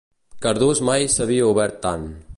Cardús mai s'havia obert tant.